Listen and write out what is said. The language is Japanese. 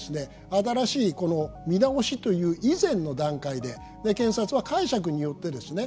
新しいこの見直しという以前の段階で検察は解釈によってですね